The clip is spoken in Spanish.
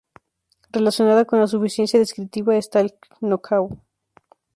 Relacionada con la suficiencia descriptiva está el "know-how".